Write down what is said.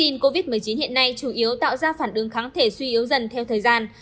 này chủ yếu tạo ra phản ứng kháng thể suy yếu dần theo thời gian